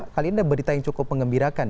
kali ini ada berita yang cukup mengembirakan